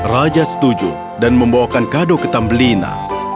raja setuju dan membawakan kado ke tambelina